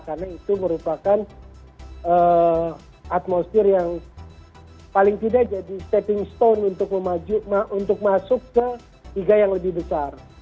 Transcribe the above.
karena itu merupakan atmosfer yang paling tidak jadi stepping stone untuk masuk ke liga yang lebih besar